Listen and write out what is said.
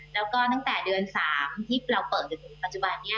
แล้วก็ตั้งแต่เดือน๓ที่เราเปิดจนถึงปัจจุบันนี้